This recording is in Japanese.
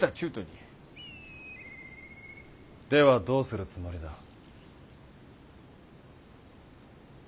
どうするつもりだ？